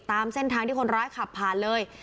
ตามเส้นทางที่คนร้ายขับผ่านเลย